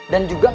dan juga gak